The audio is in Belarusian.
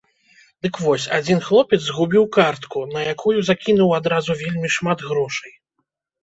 Дык вось, адзін хлопец згубіў картку, на якую закінуў адразу вельмі шмат грошай.